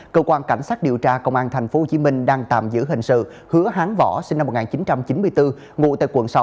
cơ quan cảnh sát điều tra công an tp hcm đang tạm giữ hình sự hứa hán võ sinh năm một nghìn chín trăm chín mươi bốn ngụ tại quận sáu